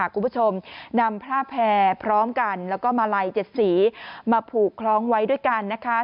คุณผู้ชมนำผ้าแพร่พร้อมกันแล้วก็มาลัย๗สีมาผูกคล้องไว้ด้วยกันนะคะ